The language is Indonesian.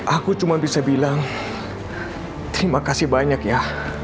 aku cuma bisa bilang terima kasih banyak ya